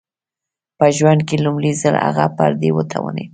په ژوند کې لومړی ځل هغه پر دې وتوانېد